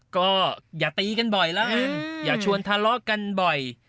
ก็อย่าตีกันบ่อยแล้วกันอย่าชวนทะเลาะกันบ่อย